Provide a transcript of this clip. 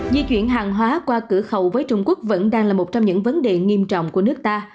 di chuyển hàng hóa qua cửa khẩu với trung quốc vẫn đang là một trong những vấn đề nghiêm trọng của nước ta